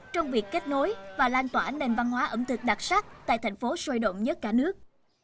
trong việc kết nối và lan tỏa nền văn hóa ẩm thực đặc sắc tại thành phố sôi động nhất cả nước